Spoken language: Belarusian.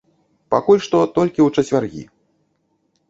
Пакуль што толькі ў чацвяргі.